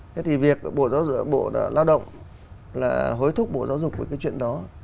thế thì việc bộ giáo dục bộ lao động là hối thúc bộ giáo dục với cái chuyện đó